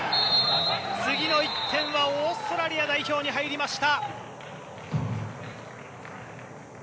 次の１点はオーストラリア代表に入りました！